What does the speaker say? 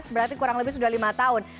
berarti kurang lebih sudah lima tahun